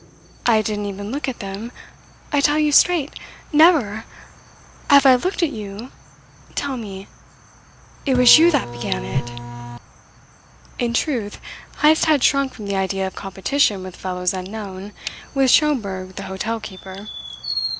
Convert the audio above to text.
I didn't even look at them, I tell you straight. Never! Have I looked at you? Tell me. It was you that began it." In truth, Heyst had shrunk from the idea of competition with fellows unknown, with Schomberg the hotel keeper.